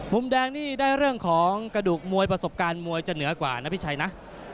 มุมแดงนี่ได้เรื่องของกระดูกมวยประสบการณ์มวยจะเหนือกว่านะพี่ชัยนะ